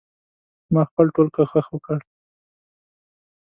ما خپل ټول کوښښ وکړ.